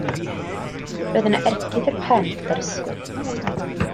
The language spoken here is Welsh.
Roedd yna ergyd i'r pen gyda'r ysgwydd.